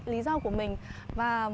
lý do của mình và